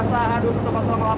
dan kondisi pergerakan awan